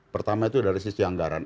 pertama itu dari sisi anggaran